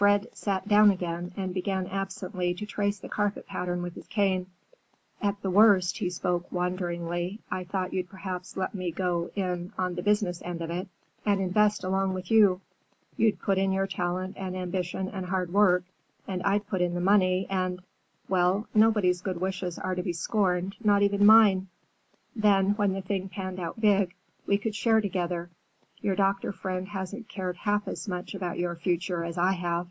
Fred sat down again and began absently to trace the carpet pattern with his cane. "At the worst," he spoke wanderingly, "I thought you'd perhaps let me go in on the business end of it and invest along with you. You'd put in your talent and ambition and hard work, and I'd put in the money and—well, nobody's good wishes are to be scorned, not even mine. Then, when the thing panned out big, we could share together. Your doctor friend hasn't cared half so much about your future as I have."